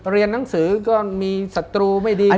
เรียนหนังสือก็มีศัตรูไม่ดี